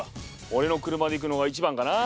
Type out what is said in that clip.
おれの車で行くのが一番かな。